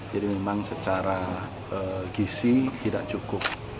jadi memang secara gisi tidak cukup